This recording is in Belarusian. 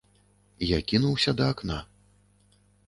Я кінуўся да акна.